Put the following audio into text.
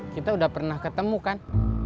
kita udah pernah ketemu kan